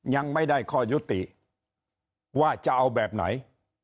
ยังไม่ได้ข้อยุติว่าจะเอาแบบไหน